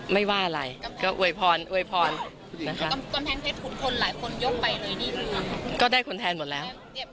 ไม่ว่าอะไรก็อวยพรอวยพรนะครับก็ได้คนแทนหมดแล้ว